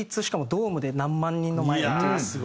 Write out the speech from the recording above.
しかもドームで何万人の前でっていう。